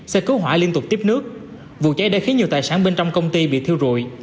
xe cứu hỏa liên tục tiếp nước vụ cháy đã khiến nhiều tài sản bên trong công ty bị thiêu rụi